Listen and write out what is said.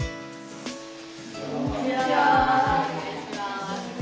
こんにちは！